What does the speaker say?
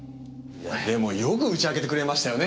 でもよく打ち明けてくれましたよね。